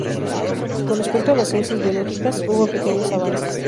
Con respecto a las ciencias biológicas, hubo pequeños avances.